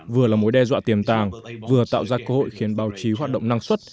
vừa là mối đe dọa tiềm tàng vừa tạo ra cơ hội khiến báo chí hoạt động năng suất